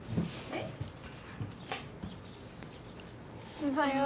おはよう。